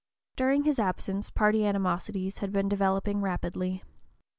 During his absence party animosities had been developing rapidly.